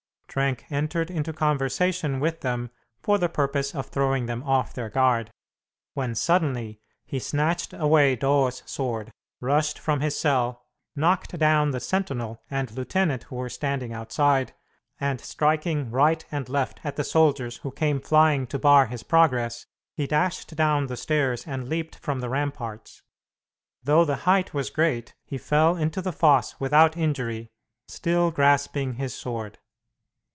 Trenck entered into conversation with them for the purpose of throwing them off their guard, when suddenly he snatched away Doo's sword, rushed from his cell, knocked down the sentinel and lieutenant who were standing outside, and striking right and left at the soldiers who came flying to bar his progress, he dashed down the stairs and leaped from the ramparts. Though the height was great he fell into the fosse without injury, still grasping his sword.